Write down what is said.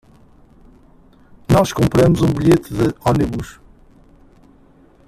Nós compramos um bilhete de ônibus